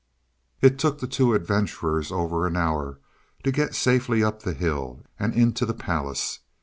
It took the two adventurers over an hour to get safely up the hill and into the palace.